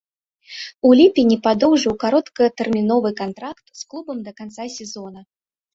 У ліпені падоўжыў кароткатэрміновы кантракт з клубам да канца сезона.